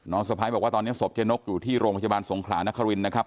สะพ้ายบอกว่าตอนนี้ศพเจ๊นกอยู่ที่โรงพยาบาลสงขลานครินนะครับ